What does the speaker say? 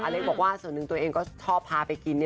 เล็กบอกว่าส่วนหนึ่งตัวเองก็ชอบพาไปกิน